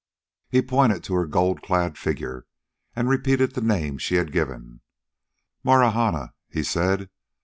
He pointed to her gold clad figure and repeated the name she had given. "Marahna," he said.